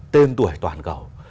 tên tuổi toàn cầu